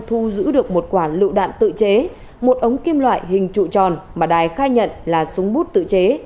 thu giữ được một quả lựu đạn tự chế một ống kim loại hình trụ tròn mà đài khai nhận là súng bút tự chế